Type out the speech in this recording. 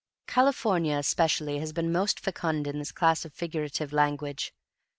California especially has been most fecund in this class of figurative language.